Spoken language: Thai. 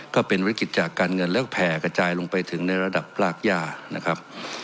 ก็เป็นวิกฤติจากการเงินแล้วแผ่กระจายลงไปถึงในระดับรากย่านะครับ